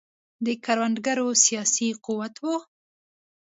د کروندګرو سیاسي قوت و.